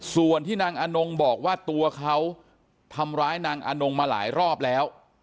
ส่วนที่นางอนงบอกว่าตัวเขาทำร้ายนางอนงมาหลายรอบแล้ว